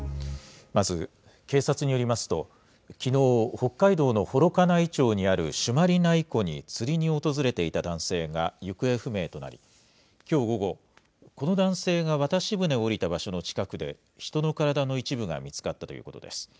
まず、警察によりますと、きのう、北海道の幌加内町にある朱鞠内湖に釣りに訪れていた男性が行方不明となり、きょう午後、この男性が渡し船を降りた場所の近くで、人の体の一部が見つかったということです。